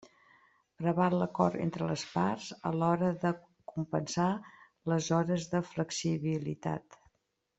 Preval l'acord entre les parts a l'hora de compensar les hores de flexibilitat.